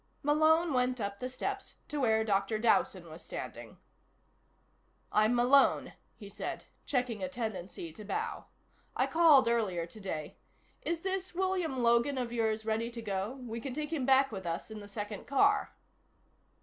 Malone went up the steps to where Dr. Dowson was standing. "I'm Malone," he said, checking a tendency to bow. "I called earlier today. Is this William Logan of yours ready to go? We can take him back with us in the second car."